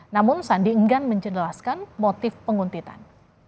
namun sandi enggan menjelaskan motif penguntitan